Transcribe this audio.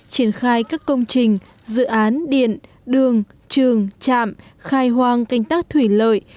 triển khai các công trình dự án điện đường trường trạm khai hoang canh tác thủy lợi